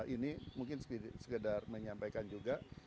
ini mungkin sekedar menyampaikan juga